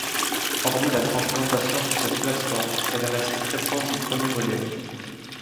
Hormis la transplantation sur cette plateforme, elle reste très proche du premier modèle.